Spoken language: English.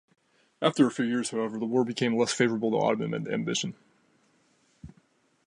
After a few years, however, the war became less favourable to Ottoman ambition.